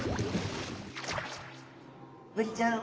ブリちゃん